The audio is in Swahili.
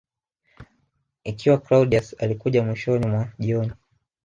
Ikiwa Claudius alikuja mwishoni mwa jioni